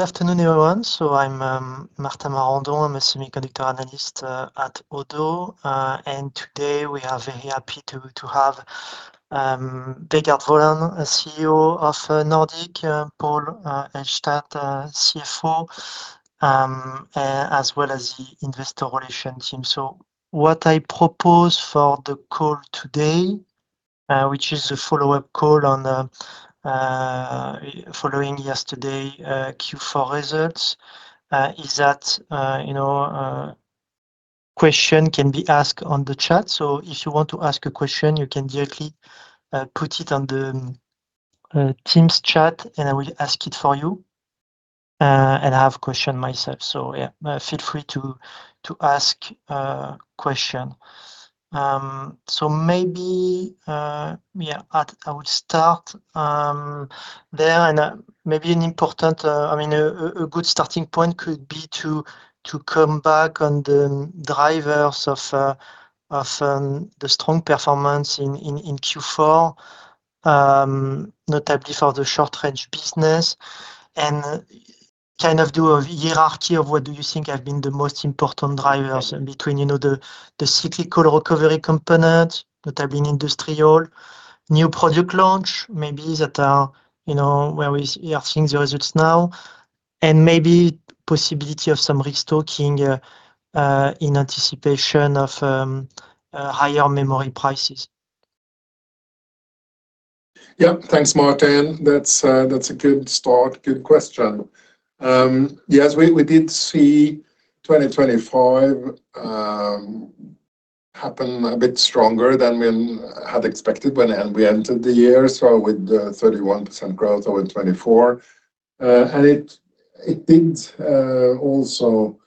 Good afternoon, everyone. I'm Martin Marandon. I'm a semiconductor analyst at Oddo. And today, we are very happy to have Vegard Wollan, CEO of Nordic Semiconductor, Pål Elstad, CFO, as well as the investor relations team. What I propose for the call today, which is a follow-up call on the following yesterday's Q4 results, is that you know, question can be asked on the chat. If you want to ask a question, you can directly put it on the team's chat, and I will ask it for you. And I have a question myself, so yeah, feel free to ask question. So maybe I would start there, and maybe an important, I mean, a good starting point could be to come back on the drivers of the strong performance in Q4, notably for the Short-range business, and kind of do a hierarchy of what do you think have been the most important drivers between, you know, the cyclical recovery component that have been industrial, new product launch, maybe that are, you know, where we are seeing the results now, and maybe possibility of some restocking in anticipation of higher memory prices. Yeah. Thanks, Martin. That's a good start. Good question. Yes, we did see 2025 happen a bit stronger than we had expected when we entered the year, so with 31% growth over 2024. And it did also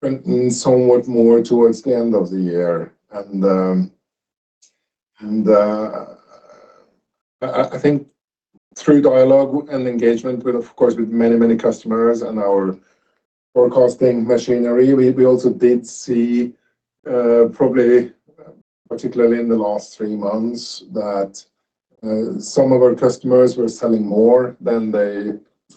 print somewhat more towards the end of the year. And I think through dialogue and engagement with, of course, with many, many customers and our forecasting machinery, we also did see, probably, particularly in the last three months, that some of our customers were selling more than they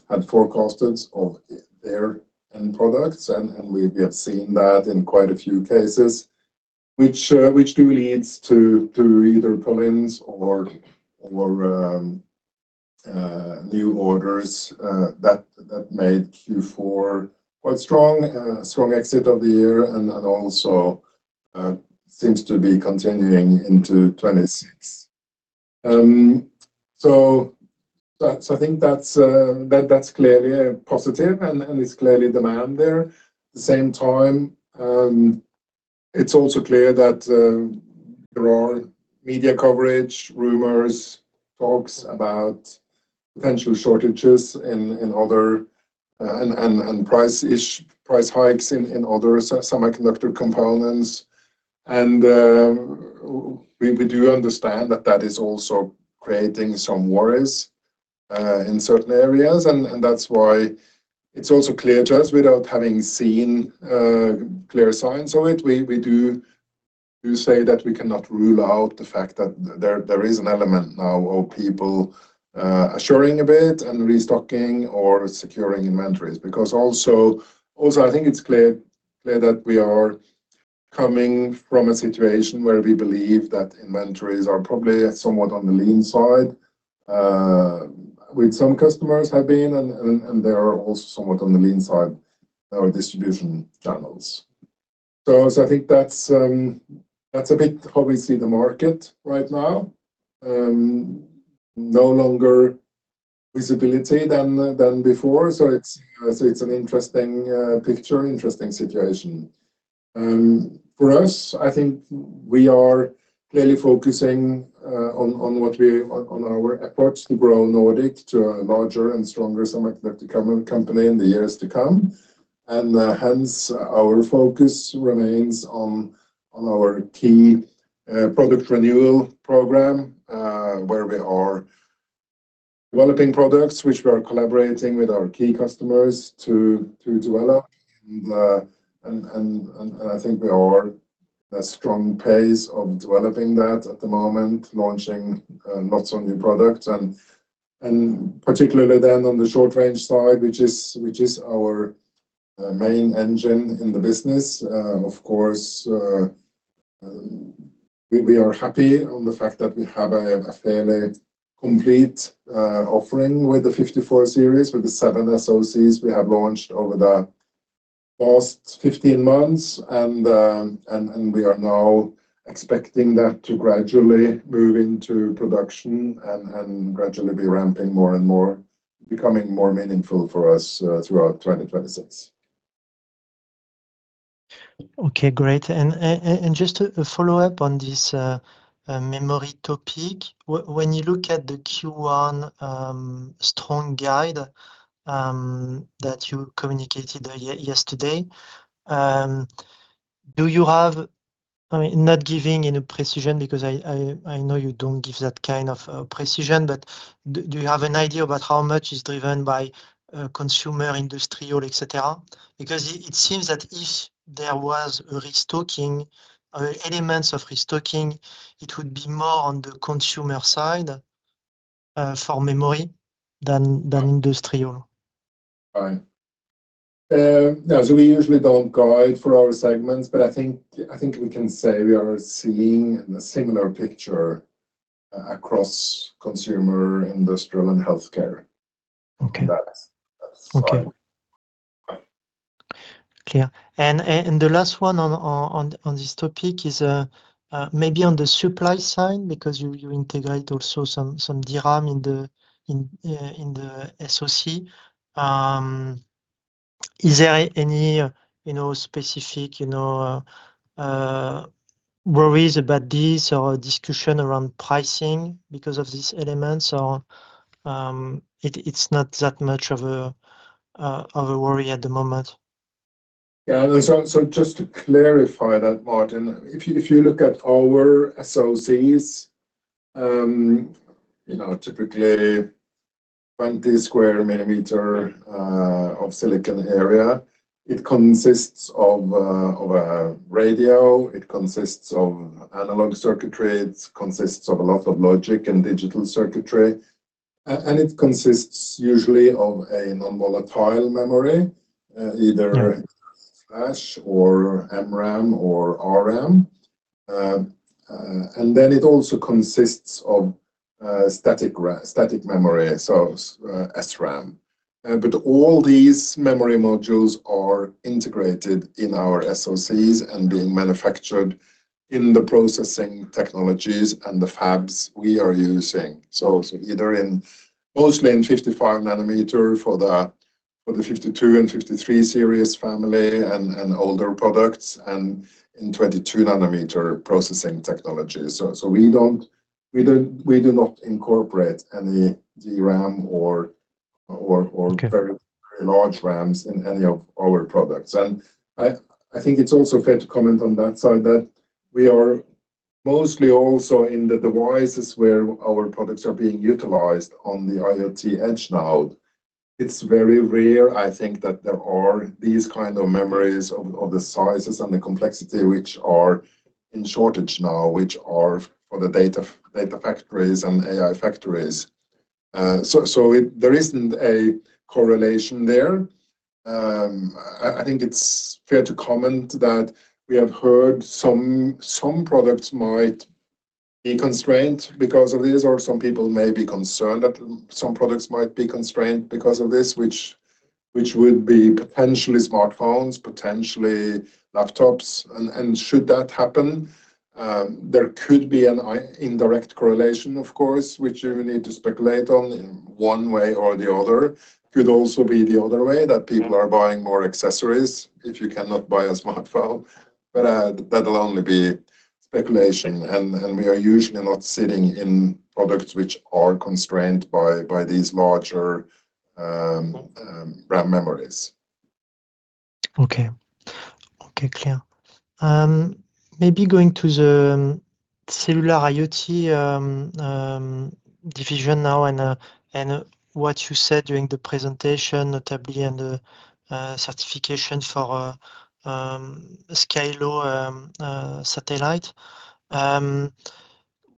had forecasted of their end products. We have seen that in quite a few cases, which do leads to either pull-ins or new orders that made Q4 quite strong, strong exit of the year and also seems to be continuing into 2026. So that's—I think that's clearly a positive, and it's clearly demand there. At the same time, it's also clear that there are media coverage, rumors, talks about potential shortages in other and price hikes in other semiconductor components. We do understand that that is also creating some worries in certain areas, and that's why it's also clear to us, without having seen clear signs of it, we do say that we cannot rule out the fact that there is an element now of people assuring a bit and restocking or securing inventories. Because also, I think it's clear that we are coming from a situation where we believe that inventories are probably somewhat on the lean side, which some customers have been, and they are also somewhat on the lean side, our distribution channels. So I think that's a bit how we see the market right now. No longer visibility than before, so it's an interesting picture, interesting situation. For us, I think we are clearly focusing on our efforts to grow Nordic to a larger and stronger semiconductor company in the years to come, and hence, our focus remains on our key product renewal program, where we are developing products which we are collaborating with our key customers to develop. I think we are at a strong pace of developing that at the moment, launching lots of new products. And particularly then on the Short-range side, which is our main engine in the business, of course, we are happy on the fact that we have a fairly complete offering with the nRF54 Series, with the 7 SoCs we have launched over the past 15 months. We are now expecting that to gradually move into production and gradually be ramping more and more, becoming more meaningful for us throughout 2026. Okay, great. Just a follow-up on this memory topic. When you look at the Q1 strong guide that you communicated yesterday, do you have... I mean, not giving any precision, because I know you don't give that kind of precision, but do you have an idea about how much is driven by consumer, industrial, et cetera? Because it seems that if there was restocking elements of restocking, it would be more on the consumer side for memory than industrial? Right. Yeah, so we usually don't guide for our segments, but I think, I think we can say we are seeing a similar picture across consumer, industrial, and healthcare. Okay. That's. Okay. Right. Clear. And the last one on this topic is maybe on the supply side, because you integrate also some DRAM in the SoC. Is there any, you know, specific, you know, worries about this or discussion around pricing because of these elements, or it’s not that much of a worry at the moment? Yeah. So just to clarify that, Martin, if you look at our SoCs, you know, typically 20 square millimeters of silicon area, it consists of a radio, it consists of analog circuitry, it consists of a lot of logic and digital circuitry, and it consists usually of a non-volatile memory. Yeah... either flash or MRAM or RRAM. And then it also consists of static memory, so SRAM. But all these memory modules are integrated in our SoCs and being manufactured in the processing technologies and the fabs we are using. So either mostly in 55 nm for the 52 and 53 series family and older products, and in 22 nm processing technologies. So we do not incorporate any DRAM or, or, or- Okay... very large RAMs in any of our products. And I think it's also fair to comment on that side, that we are mostly also in the devices where our products are being utilized on the IoT edge now. It's very rare, I think, that there are these kind of memories of the sizes and the complexity which are in shortage now, which are for the data factories and AI factories. So there isn't a correlation there. I think it's fair to comment that we have heard some products might be constrained because of this, or some people may be concerned that some products might be constrained because of this, which would be potentially smartphones, potentially laptops. And should that happen, there could be an indirect correlation of course, which you need to speculate on in one way or the other. Could also be the other way, that people are buying more accessories if you cannot buy a smartphone. But that'll only be speculation, and we are usually not sitting in products which are constrained by these larger RAM memories. Okay. Okay, clear. Maybe going to the Cellular IoT division now, and what you said during the presentation, notably on the certification for Skylo satellite.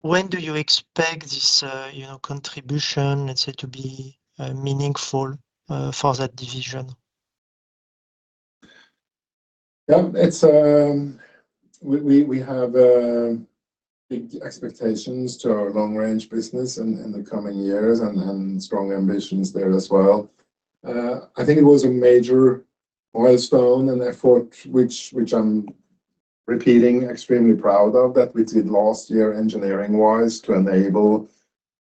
When do you expect this, you know, contribution, let's say, to be meaningful for that division? Yeah. It's. We have big expectations to our Long-range business in the coming years and strong ambitions there as well. I think it was a major milestone and effort which I'm extremely proud of, that we did last year, engineering-wise, to enable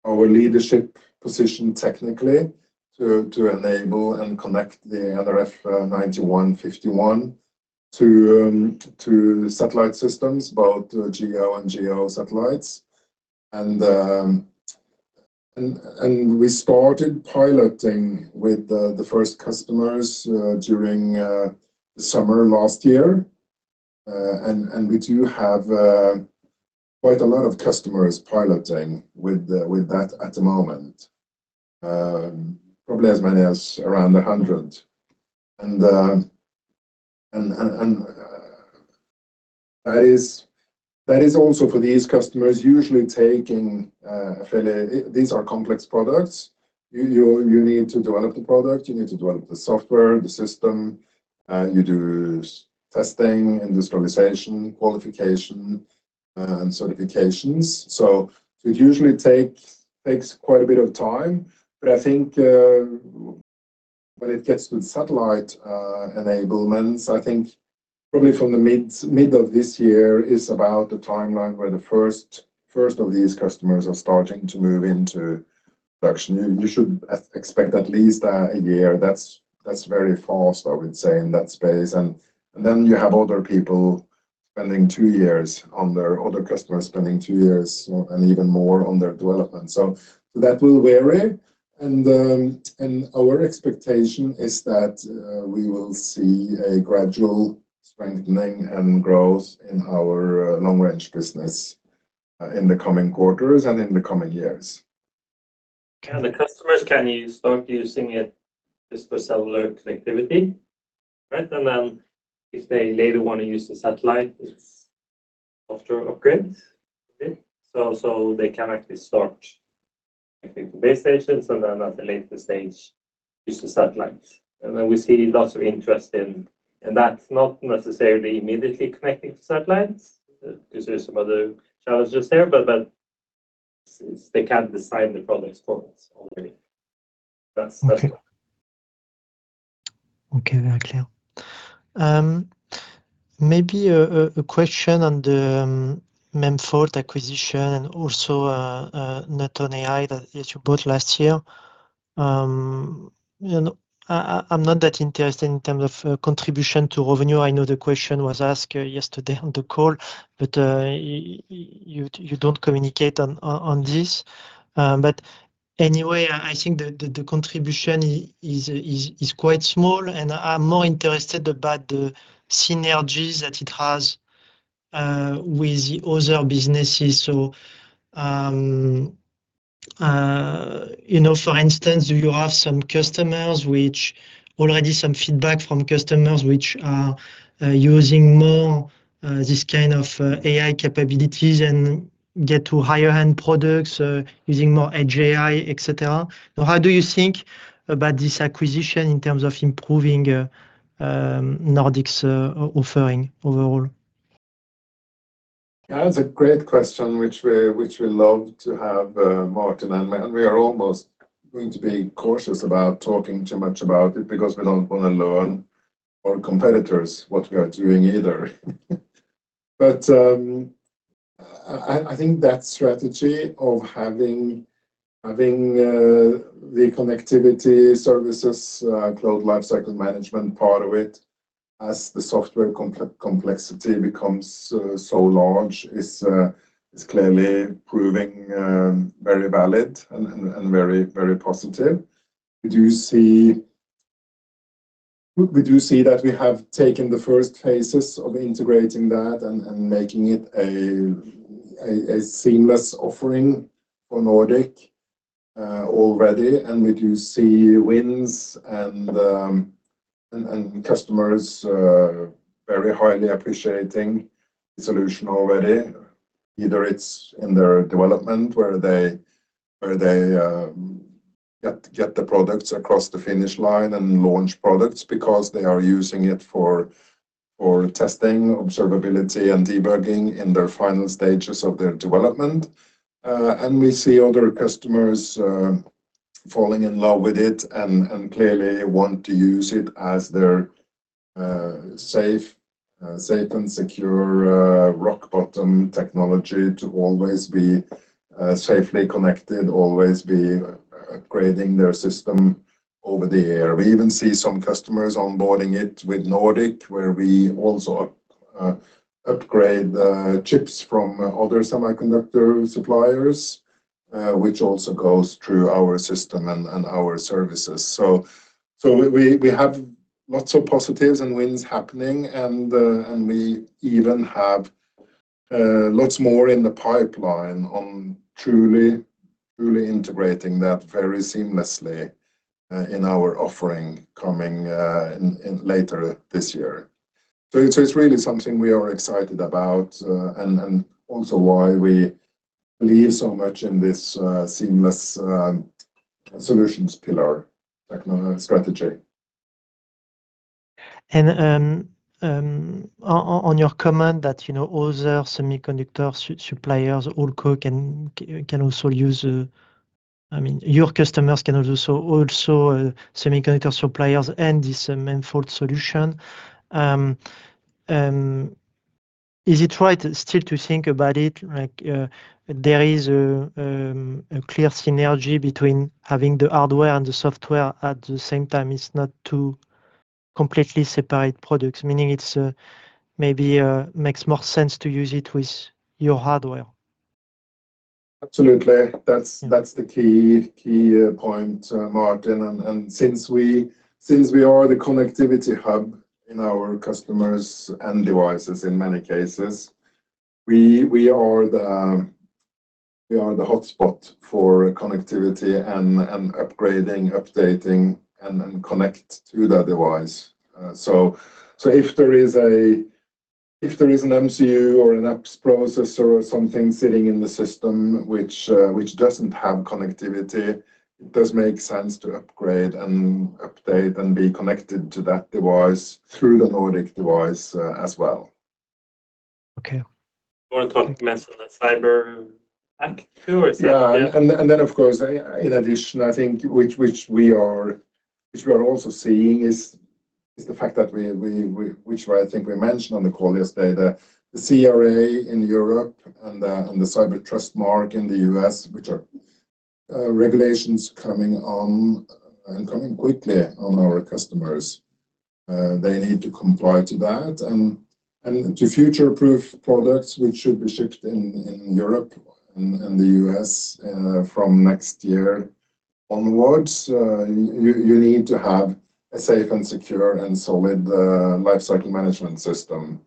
our leadership position technically, to enable and connect the nRF9151 to satellite systems, both GEO and LEO satellites. And we started piloting with the first customers during the summer last year. And we do have quite a lot of customers piloting with that at the moment. Probably as many as around 100. And that is also for these customers usually taking a fairly... These are complex products. You need to develop the product, you need to develop the software, the system, you do testing, industrialization, qualification, and certifications. So it usually takes quite a bit of time. But I think, when it gets to the satellite enablements, I think probably from the mid of this year is about the timeline where the first of these customers are starting to move into production. You should expect at least a year. That's very fast, I would say, in that space. And then you have other customers spending two years or even more on their development. So that will vary. Our expectation is that we will see a gradual strengthening and growth in our Long-range business in the coming quarters and in the coming years. Can the customers, can you start using it just for cellular connectivity?... Right, and then if they later want to use the satellite, it's software upgrade. Okay? So, so they can actually start, I think, base stations, and then at a later stage, use the satellite. And then we see lots of interest in, and that's not necessarily immediately connecting to satellites. 'Cause there are some other challenges there, but, but they can design the products for us already. That's, that's- Okay. Okay, very clear. Maybe a question on the Memfault acquisition and also Atlazo that you bought last year. You know, I'm not that interested in terms of contribution to revenue. I know the question was asked yesterday on the call, but you don't communicate on this. But anyway, I think the contribution is quite small, and I'm more interested about the synergies that it has with the other businesses. So, you know, for instance, do you have some customers which already some feedback from customers which are using more this kind of AI capabilities and get to higher-end products using more Edge AI, et cetera? So how do you think about this acquisition in terms of improving Nordic's offering overall? That's a great question, which we, which we love to have, Martin, and we are almost going to be cautious about talking too much about it because we don't want to let our competitors learn what we are doing either. But, I think that strategy of having the connectivity services, cloud lifecycle management part of it, as the software complexity becomes so large, is clearly proving very valid and very, very positive. We do see... We do see that we have taken the first phases of integrating that and making it a seamless offering for Nordic already. And we do see wins and customers very highly appreciating the solution already. Either it's in their development, where they get the products across the finish line and launch products because they are using it for testing, observability, and debugging in their final stages of their development. And we see other customers falling in love with it and clearly want to use it as their safe and secure rock bottom technology to always be safely connected, always be upgrading their system over the air. We even see some customers onboarding it with Nordic, where we also upgrade the chips from other semiconductor suppliers, which also goes through our system and our services. So we have lots of positives and wins happening, and we even have lots more in the pipeline on truly integrating that very seamlessly in our offering coming in later this year. So it's really something we are excited about, and also why we believe so much in this seamless solutions pillar techno strategy. And, on your comment that, you know, other semiconductor suppliers, Qualcomm, can also use a... I mean, your customers can also semiconductor suppliers and this Memfault solution. Is it right still to think about it, like, there is a clear synergy between having the hardware and the software at the same time? It's not two completely separate products, meaning it's, maybe, makes more sense to use it with your hardware. Absolutely. That's the key point, Martin. And since we are the connectivity hub in our customers' and devices in many cases, we are the hotspot for connectivity and upgrading, updating, and then connect to the device. So if there is an MCU or an apps processor or something sitting in the system which doesn't have connectivity, it does make sense to upgrade and update and be connected to that device through the Nordic device as well. Okay. You wanna talk, mention the cyber attack too, or is that- Yeah. And then, of course, in addition, I think which we are also seeing is the fact that which I think we mentioned on the call yesterday, the CRA in Europe and the Cyber Trust Mark in the U.S., which are regulations coming on, and coming quickly on our customers. They need to comply to that and to future-proof products, which should be shipped in Europe and the U.S., from next year onwards. You need to have a safe and secure and solid lifecycle management system.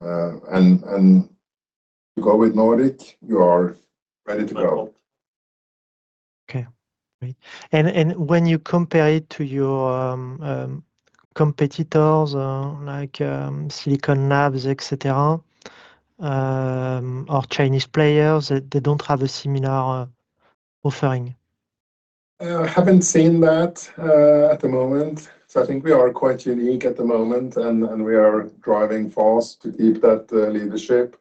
And you go with Nordic, you are ready to go. ... Okay, great. And, and when you compare it to your competitors, like, Silicon Labs, et cetera, or Chinese players, they don't have a similar offering? I haven't seen that at the moment. So I think we are quite unique at the moment, and we are driving fast to keep that leadership.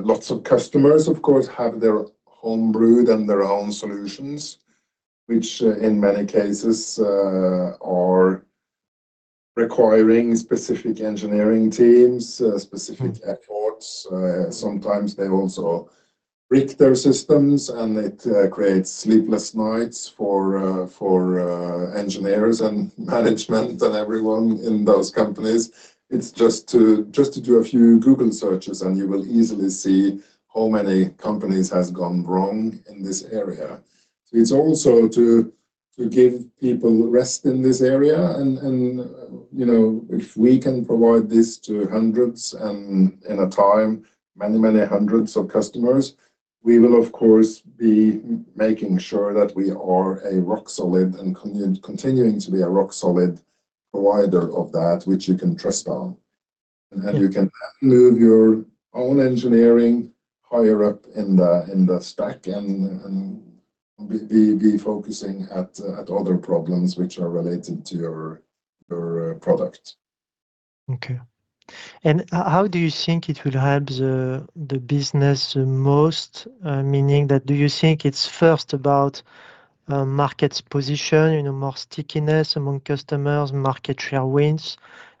Lots of customers, of course, have their home brewed and their own solutions, which in many cases are requiring specific engineering teams specific efforts. Sometimes they also break their systems, and it creates sleepless nights for engineers and management and everyone in those companies. It's just to do a few Google searches, and you will easily see how many companies has gone wrong in this area. So it's also to give people rest in this area and, you know, if we can provide this to 100s and in a time, many, many 100s of customers, we will, of course, be making sure that we are a rock solid and continuing to be a rock solid provider of that which you can trust on. And you can then move your own engineering higher up in the stack and be focusing at other problems which are related to your product. Okay. And how do you think it will help the business the most? Meaning that do you think it's first about market's position, you know, more stickiness among customers, market share wins,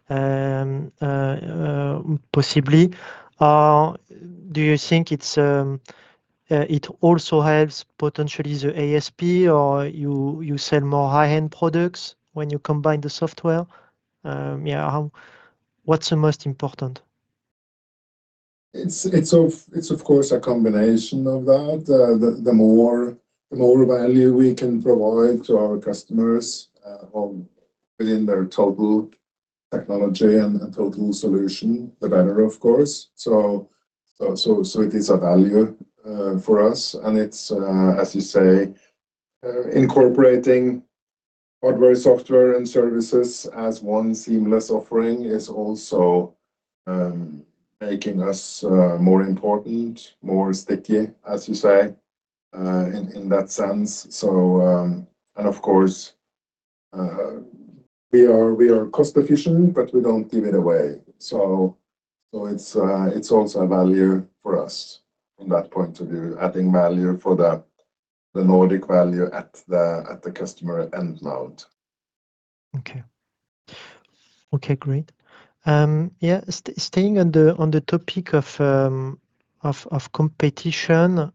possibly? Or do you think it's it also helps potentially the ASP, or you sell more high-end products when you combine the software? Yeah, how... What's the most important? It's of course a combination of that. The more value we can provide to our customers within their total technology and total solution, the better, of course. So it is a value for us, and it's as you say, incorporating hardware, software and services as one seamless offering is also making us more important, more sticky, as you say, in that sense. And of course, we are cost efficient, but we don't give it away. So it's also a value for us from that point of view, adding value for the Nordic value at the customer end node. Okay. Okay, great. Yeah, staying on the topic of competition,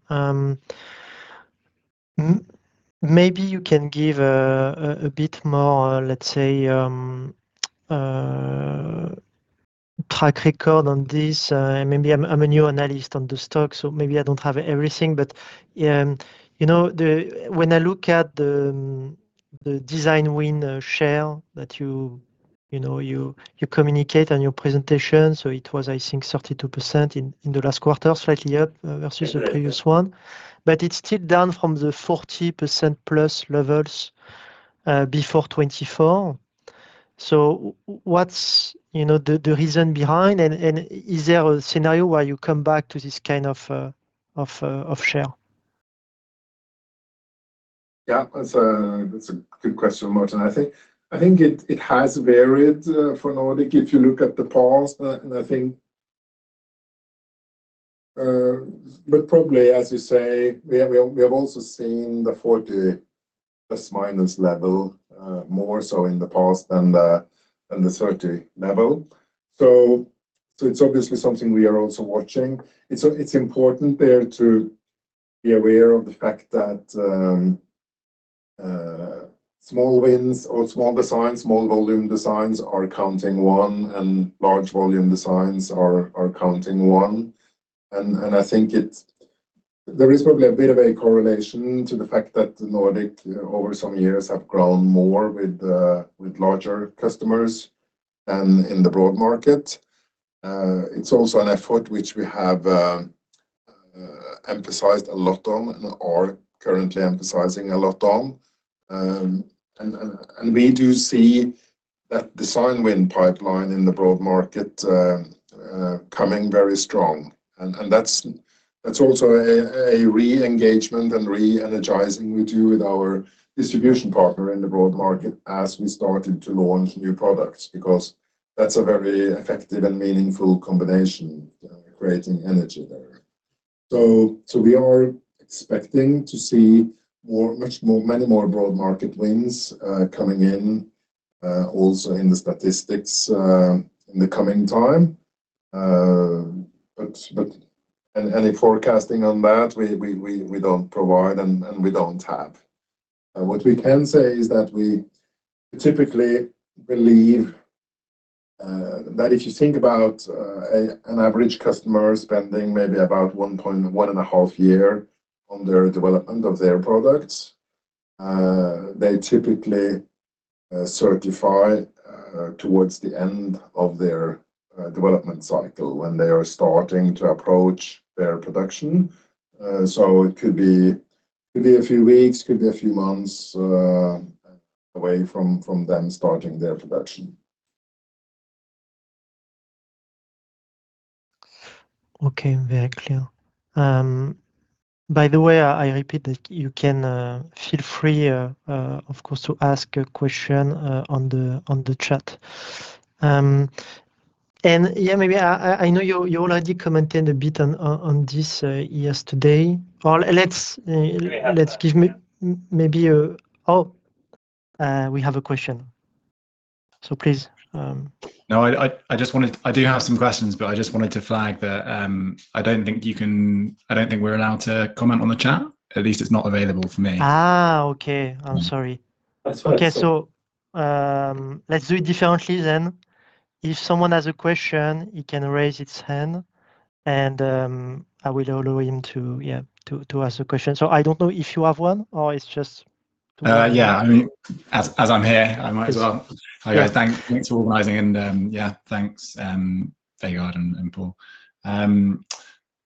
maybe you can give a bit more, let's say, track record on this. Maybe I'm a new analyst on the stock, so maybe I don't have everything. But, you know, when I look at the design win share that you know you communicate on your presentation, so it was, I think, 32% in the last quarter, slightly up versus the previous one. But it's still down from the 40% plus levels before 2024. So what's the reason behind, and is there a scenario where you come back to this kind of share? Yeah, that's a good question, Martin. I think it has varied for Nordic, if you look at the past. And I think. But probably, as you say, we have also seen the 40 plus minus level more so in the past than the 30 level. So it's obviously something we are also watching. It's important there to be aware of the fact that small wins or small designs, small volume designs are counting one, and large volume designs are counting one. And I think it's- there is probably a bit of a correlation to the fact that Nordic, over some years, have grown more with larger customers than in the broad market. It's also an effort which we have emphasized a lot on and are currently emphasizing a lot on. And we do see that design win pipeline in the broad market coming very strong. And that's also a re-engagement and re-energizing we do with our distribution partner in the broad market as we started to launch new products, because that's a very effective and meaningful combination creating energy there. So we are expecting to see more, much more, many more broad market wins coming in also in the statistics in the coming time. But any forecasting on that, we don't provide and we don't have. What we can say is that we typically believe that if you think about an average customer spending maybe about 1.5 year on their development of their products, they typically certify towards the end of their development cycle when they are starting to approach their production. So it could be a few weeks, could be a few months, away from them starting their production. Okay, very clear. By the way, I repeat that you can feel free, of course, to ask a question on the chat. Yeah, maybe I know you already commented a bit on this yesterday. Well, let's give me maybe a... Oh, we have a question. So please, No, I just wanted, I do have some questions, but I just wanted to flag that, I don't think you can, I don't think we're allowed to comment on the chat. At least it's not available for me. Ah, okay. I'm sorry. That's all right. Okay, so, let's do it differently then. If someone has a question, he can raise his hand, and I will allow him to, yeah, to ask a question. So I don't know if you have one, or it's just- Yeah, I mean, as I'm here, I might as well. Hi, guys. Thanks for organizing and, yeah, thanks, Vegard and Pål.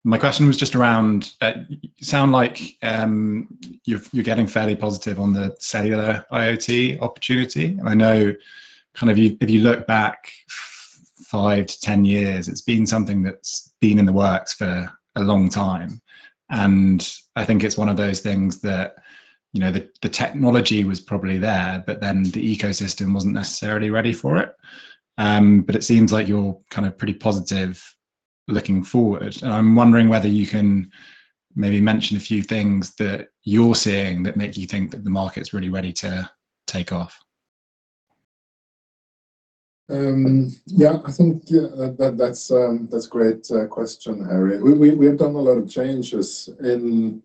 My question was just around, you sound like you're getting fairly positive on the Cellular IoT opportunity. I know kind of if you look back five to 10 years, it's been something that's been in the works for a long time, and I think it's one of those things that, you know, the technology was probably there, but then the ecosystem wasn't necessarily ready for it. But it seems like you're kind of pretty positive looking forward, and I'm wondering whether you can maybe mention a few things that you're seeing that make you think that the market's really ready to take off. Yeah, I think, yeah, that, that's a great question, Harry. We have done a lot of changes in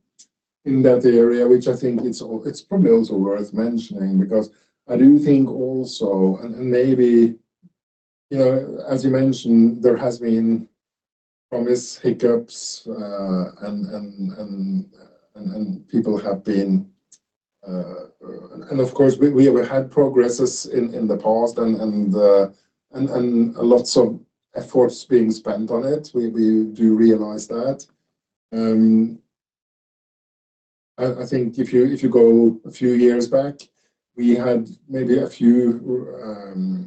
that area, which I think it's probably also worth mentioning because I do think also, and maybe, you know, as you mentioned, there has been promise, hiccups, and people have been... And of course, we have had progresses in the past and lots of efforts being spent on it. We do realize that. I think if you go a few years back, we had maybe a few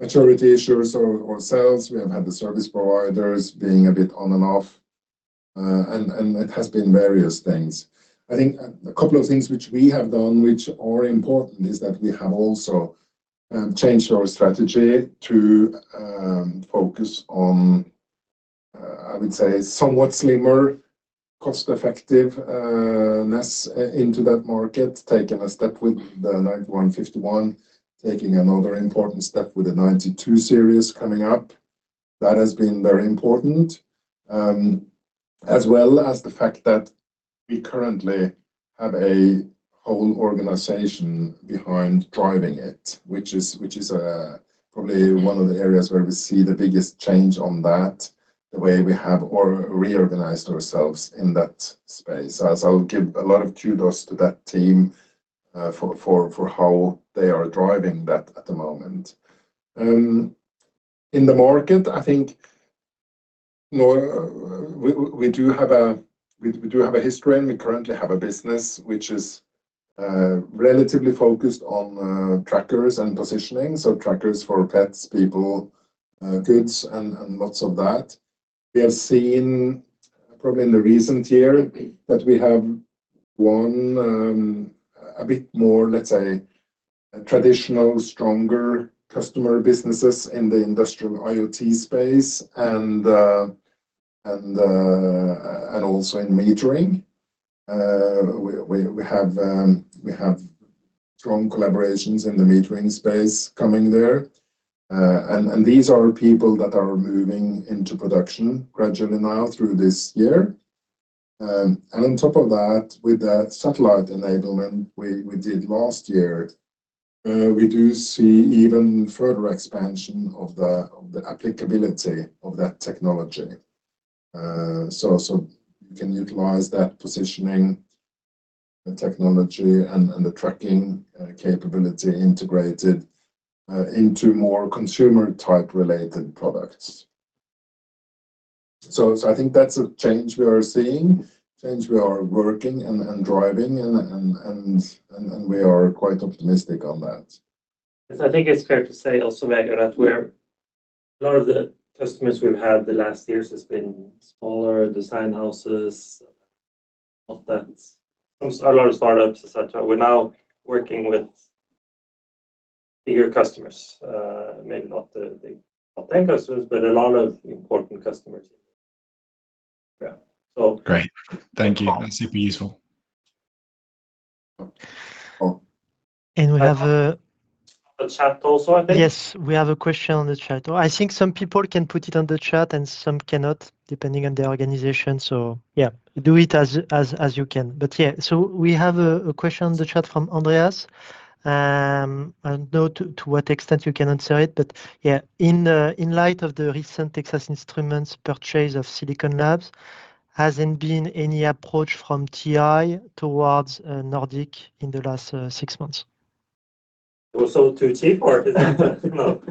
maturity issues ourselves. We have had the service providers being a bit on and off, and it has been various things. I think a couple of things which we have done, which are important, is that we have also changed our strategy to focus on, I would say, somewhat slimmer, cost-effective, less into that market, taking a step with the nRF9151, taking another important step with the nRF92 Series coming up. That has been very important, as well as the fact that we currently have a whole organization behind driving it, which is probably one of the areas where we see the biggest change on that, the way we have reorganized ourselves in that space. So I'll give a lot of kudos to that team, for how they are driving that at the moment. In the market, I think, we do have a history, and we currently have a business which is relatively focused on trackers and positioning, so trackers for pets, people, goods, and lots of that. We have seen, probably in the recent year, that we have won a bit more, let's say, traditional, stronger customer businesses in the Industrial IoT space and also in metering. We have strong collaborations in the metering space coming there, and these are people that are moving into production gradually now through this year. And on top of that, with that satellite enablement we did last year, we do see even further expansion of the applicability of that technology. So you can utilize that positioning, the technology, and the tracking capability integrated into more consumer-type related products. So I think that's a change we are seeing, change we are working and we are quite optimistic on that. Yes, I think it's fair to say also, Vegard, that we're a lot of the customers we've had the last years has been smaller design houses, startups, from a lot of startups, et cetera. We're now working with bigger customers, maybe not the, the top 10 customers, but a lot of important customers. Yeah, so- Great. Thank you. That's super useful. Cool. And we have a- A chat also, I think. Yes, we have a question on the chat. I think some people can put it on the chat, and some cannot, depending on their organization. So yeah, do it as you can. But yeah, so we have a question on the chat from Andreas, and I don't know to what extent you can answer it, but yeah. In light of the recent Texas Instruments purchase of Silicon Labs, has there been any approach from TI towards Nordic in the last six months? ... It was so too cheap or is it? No.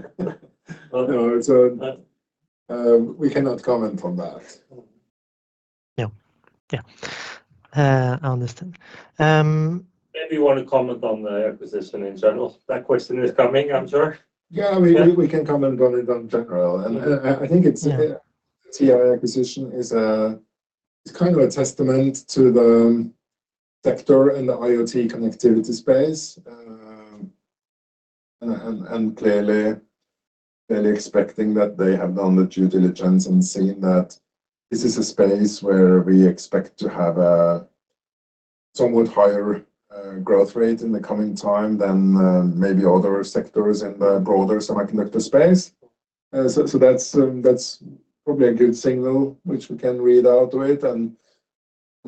No, so, we cannot comment on that. Yeah, yeah. I understand. Maybe you want to comment on the acquisition in general. That question is coming, I'm sure. Yeah, I mean, we can comment on it in general, and I, I think it's- Yeah. TI acquisition is a kind of a testament to the sector and the IoT connectivity space. And clearly expecting that they have done the due diligence and seen that this is a space where we expect to have a somewhat higher growth rate in the coming time than maybe other sectors in the broader semiconductor space. So that's probably a good signal which we can read out of it. And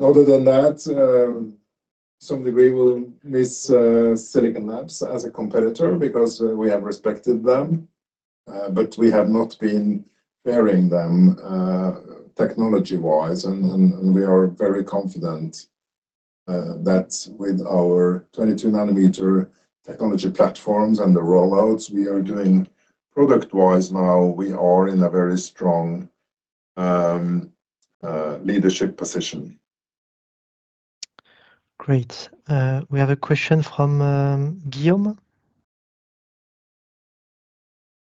other than that, some degree we'll miss Silicon Labs as a competitor because we have respected them but we have not been fearing them technology-wise. And we are very confident that with our 22 nanometer technology platforms and the rollouts we are doing product-wise now, we are in a very strong leadership position. Great. We have a question from Guillaume.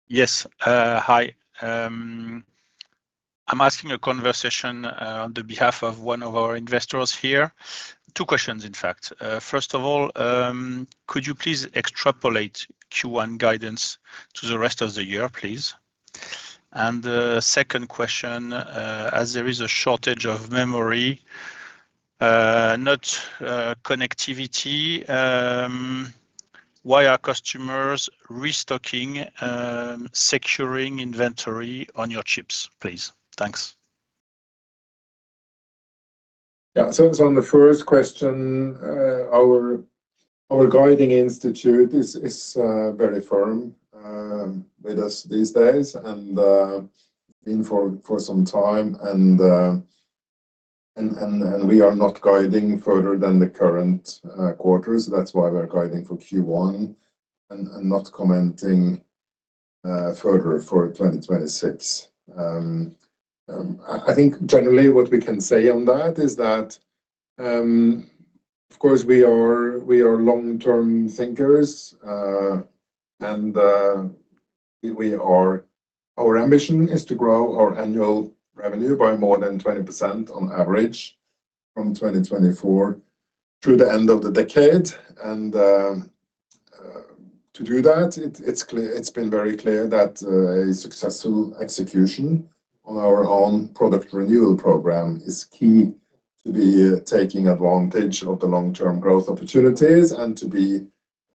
Yes, hi. I'm asking a conversation on the behalf of one of our investors here. Two questions, in fact. First of all, could you please extrapolate Q1 guidance to the rest of the year, please? And the second question, as there is a shortage of memory, not connectivity, why are customers restocking, securing inventory on your chips, please? Thanks. Yeah. So on the first question, our guiding institute is very firm with us these days, and been for some time, and we are not guiding further than the current quarters. That's why we're guiding for Q1 and not commenting further for 2026. I think generally what we can say on that is that, of course, we are long-term thinkers. And we are - our ambition is to grow our annual revenue by more than 20% on average from 2024 through the end of the decade. And, to do that, it's clear, it's been very clear that a successful execution on our own product renewal program is key to taking advantage of the long-term growth opportunities and to be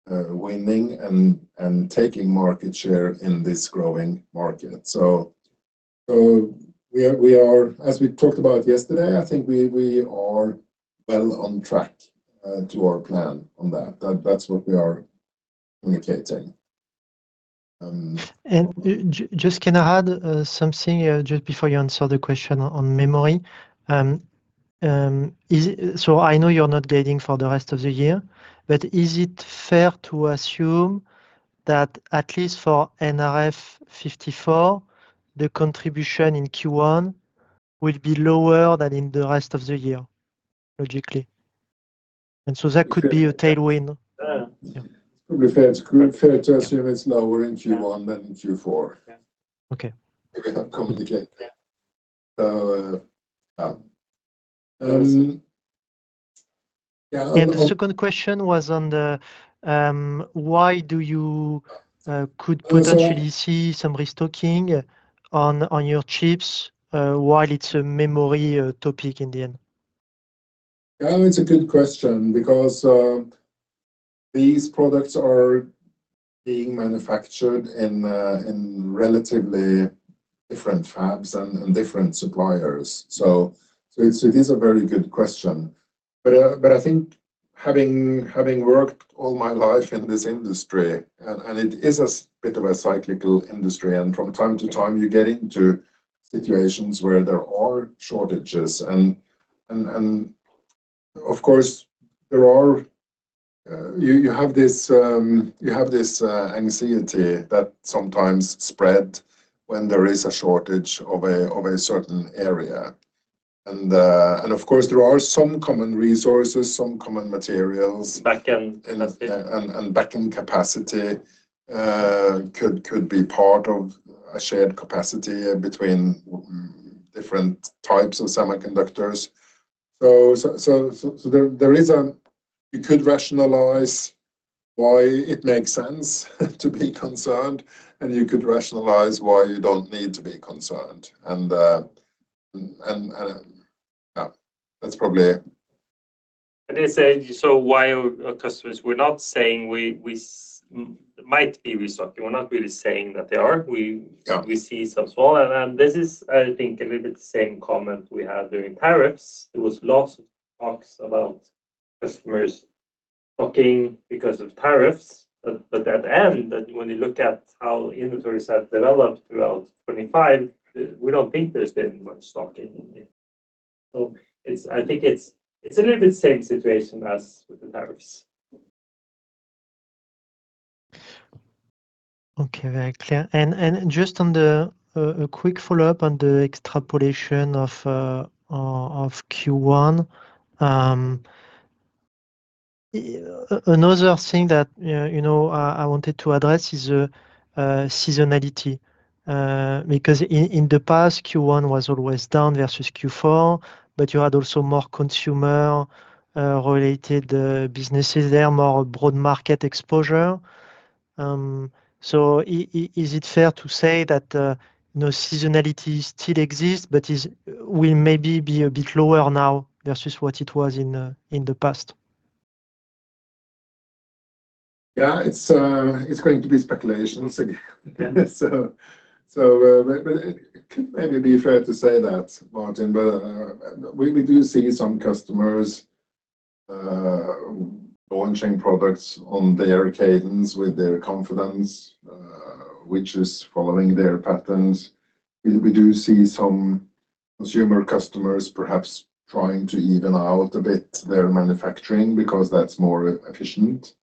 winning and taking market share in this growing market. So, we are, as we talked about yesterday, I think we are well on track to our plan on that. That's what we are communicating. And just can I add something just before you answer the question on memory? Is it... So I know you're not guiding for the rest of the year, but is it fair to assume that at least for nRF54, the contribution in Q1 will be lower than in the rest of the year, logically? And so that could be a tailwind. Yeah. It's fair to assume it's lower in Q1 than in Q4. Yeah. Okay. We cannot communicate. Yeah. So, The second question was on the, why do you could potentially- So- see some restocking on your chips, while it's a memory topic in the end? Yeah, it's a good question because these products are being manufactured in relatively different fabs and different suppliers. So it is a very good question. But I think having worked all my life in this industry, and it is a bit of a cyclical industry, and from time to time, you get into situations where there are shortages. And of course, there are... You have this anxiety that sometimes spread when there is a shortage of a certain area. And of course, there are some common resources, some common materials. Backend. Backend capacity could be part of a shared capacity between different types of semiconductors. So there is a—you could rationalize why it makes sense to be concerned, and you could rationalize why you don't need to be concerned. And that's probably. Let me say, so while our customers, we're not saying we might be restocking, we're not really saying that they are. We- Yeah... we see some small, and then this is, I think, a little bit the same comment we had during tariffs. There was lots of talks about customers stocking because of tariffs. But at the end, when you look at how inventories have developed throughout 2025, we don't think there's been much stocking in-... So it's, I think it's, it's a little bit same situation as with the drivers. Okay, very clear. And just on a quick follow-up on the extrapolation of Q1. Another thing that, you know, you know, I wanted to address is seasonality. Because in the past, Q1 was always down versus Q4, but you had also more consumer related businesses there, more broad market exposure. So is it fair to say that, you know, seasonality still exists, but will maybe be a bit lower now versus what it was in the past? Yeah, it's going to be speculations again. So, but it could maybe be fair to say that, Martin. But we do see some customers launching products on their cadence with their confidence, which is following their patterns. We do see some consumer customers perhaps trying to even out a bit their manufacturing, because that's more efficient.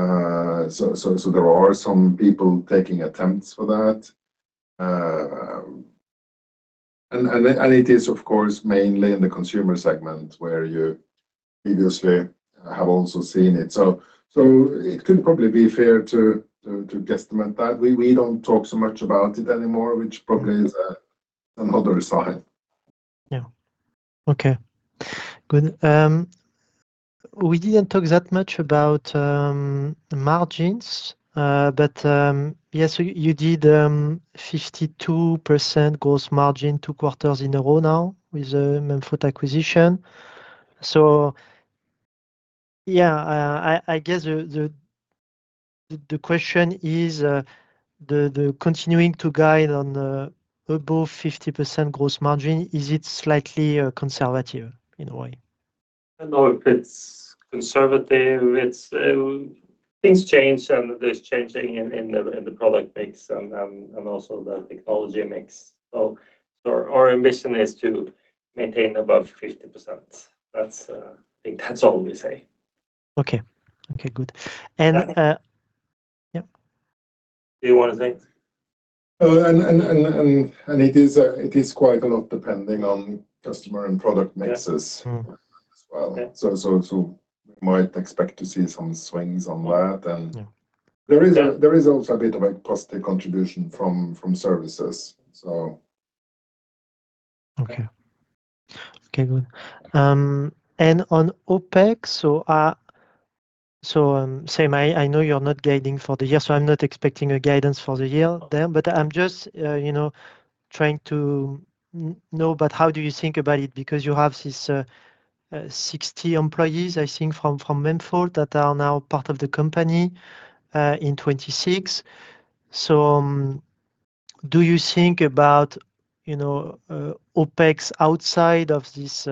So there are some people taking attempts for that. And it is, of course, mainly in the consumer segment where you previously have also seen it. So it could probably be fair to guesstimate that. We don't talk so much about it anymore, which probably is another sign. Yeah. Okay, good. We didn't talk that much about margins. But yes, you did, 52% gross margin two quarters in a row now with the Memfault acquisition. So, yeah, I guess the question is, the continuing to guide on above 50% gross margin, is it slightly conservative in a way? I don't know if it's conservative. It's things change, and there's changing in the product mix and also the technology mix. So, so our ambition is to maintain above 50%. That's, I think that's all we say. Okay. Okay, good. And, Yeah. Yep. Do you wanna say? It is quite a lot depending on customer and product mixes- Yeah. -as well. Yeah. So we might expect to see some swings on that. And- Yeah. There is also a bit of a positive contribution from services, so. Okay. Okay, good. And on OpEx, same, I know you're not guiding for the year, so I'm not expecting a guidance for the year there. But I'm just, you know, trying to know about how do you think about it, because you have this, 60 employees, I think, from Memfault that are now part of the company, in 2026. So, do you think about, you know, OpEx outside of this,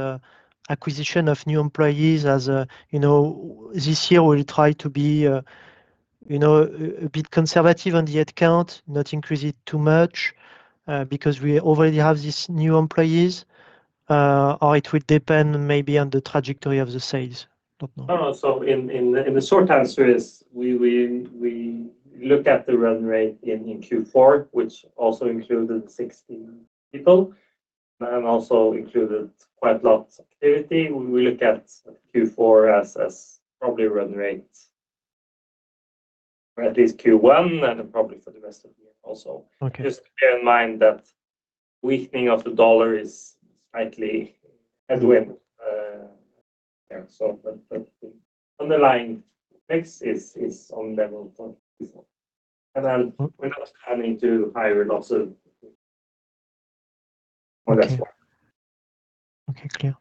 acquisition of new employees as a, you know, this year we try to be, you know, a bit conservative on the head count, not increase it too much, because we already have these new employees, or it will depend maybe on the trajectory of the sales? Don't know. No, no. So in the short answer is we looked at the run rate in Q4, which also included 60 people, and also included quite a lot of activity. We look at Q4 as probably run rate for at least Q1 and probably for the rest of the year also. Okay. Just bear in mind that weakening of the U.S. dollar is a slight headwind, underlying OpEx is on level from before. And then we're not planning to hire lots of... Well, that's all. Okay, clear.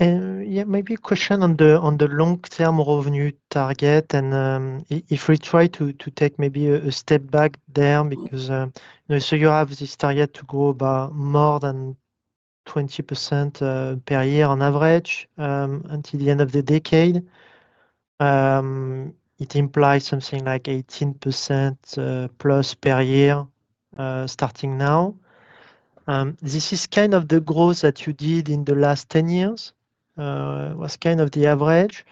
And yeah, maybe a question on the, on the long-term revenue target and, if we try to, to take maybe a, a step back there, because, so you have this target to grow by more than 20%, per year on average, until the end of the decade. It implies something like 18% plus per year, starting now. This is kind of the growth that you did in the last 10 years, was kind of the average.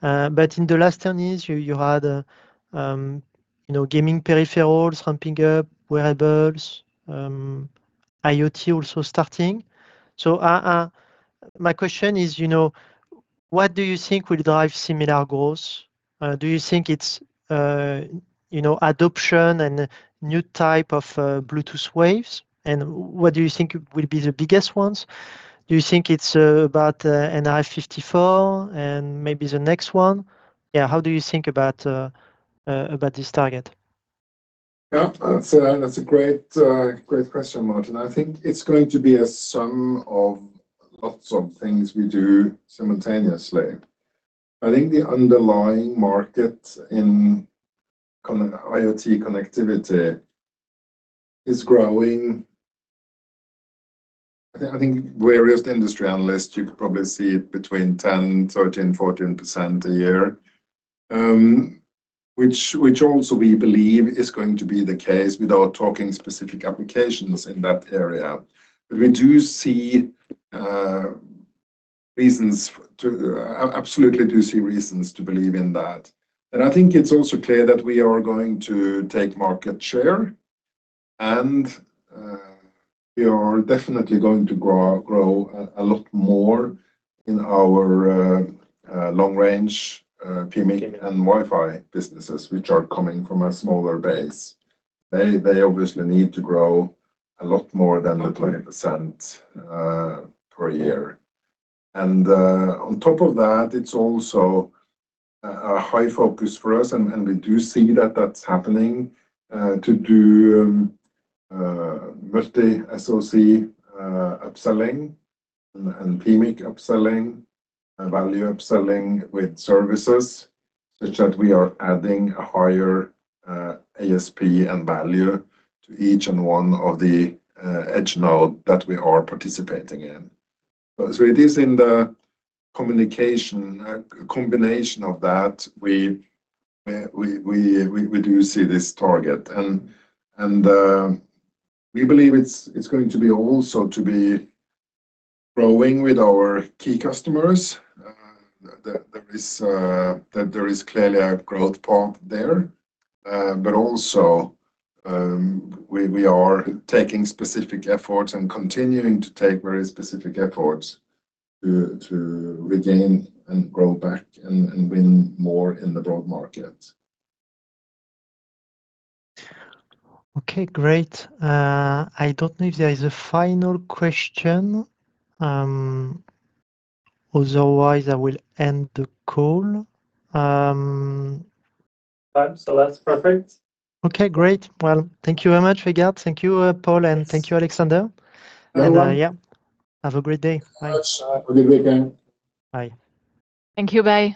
But in the last 10 years, you, you had, you know, gaming peripherals ramping up, wearables, IoT also starting. So, my question is, you know, what do you think will drive similar goals? Do you think it's, you know, adoption and new type of, Bluetooth waves? What do you think will be the biggest ones? Do you think it's about nRF 54 and maybe the next one? Yeah, how do you think about this target? Yeah, that's a great question, Martin. I think it's going to be a sum of lots of things we do simultaneously. I think the underlying market in connected IoT connectivity is growing. I think various industry analysts, you could probably see it between 10%, 13%, 14% a year. Which also we believe is going to be the case without talking specific applications in that area. But we do see reasons to absolutely believe in that. And I think it's also clear that we are going to take market share, and we are definitely going to grow a lot more in our long range PMIC and Wi-Fi businesses, which are coming from a smaller base. They obviously need to grow a lot more than 20% per year. And, on top of that, it's also a high focus for us, and we do see that that's happening to do multi-SoC upselling and PMIC upselling and value upselling with services, such that we are adding a higher ASP and value to each and one of the edge node that we are participating in. So it is in the communication combination of that we do see this target. And, we believe it's going to be also to be growing with our key customers. There is clearly a growth point there. But also, we are taking specific efforts and continuing to take very specific efforts to regain and grow back and win more in the broad market. Okay, great. I don't know if there is a final question. Otherwise, I will end the call. So that's perfect. Okay, great. Well, thank you very much, Vegard. Thank you, Pål, and thank you, Alexander. Hello, everyone. Yeah, have a great day. Thanks. Have a great day. Bye. Thank you. Bye.